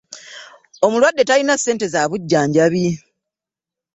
Omulwadde talina ssente z'abujjanjabi.